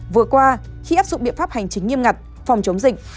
vừa qua khi áp dụng biện pháp hành chính nghiêm ngặt phòng chống dịch